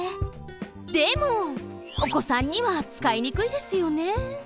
でもおこさんにはつかいにくいですよね？